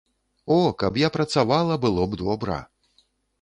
О, каб я працавала, было б добра.